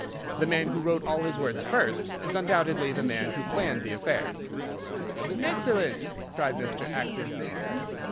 The man who wrote all his words first is undoubtedly the man who planned the affair." "Excellent!" cried Mr. Acton.